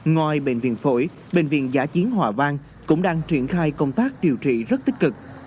ngoài bệnh viện phổi bệnh viện giã chiến hòa vang cũng đang triển khai công tác điều trị rất tích cực